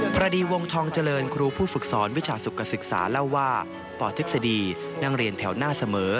พอดีวงทองเจริญครูผู้ฝึกสอนวิชาสุขศึกษาเล่าว่าปทฤษฎีนั่งเรียนแถวหน้าเสมอ